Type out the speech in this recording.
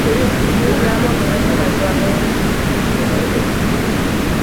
Ndama kunyonya maziwa mengi kupindukia